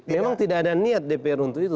memang tidak ada niat dpr untuk itu